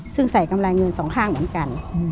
ซึ่งใส่กำไรเงินสองข้างเหมือนกัน